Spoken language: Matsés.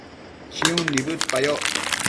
chiun nibëdpayoc